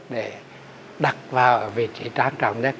để đặt vào vị trí tráng trọng nhất